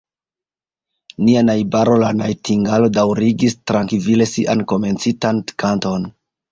Nia najbaro la najtingalo daŭrigis trankvile sian komencitan kanton.